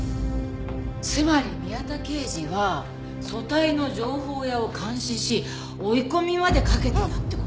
つまり宮田刑事は組対の情報屋を監視し追い込みまでかけてたって事？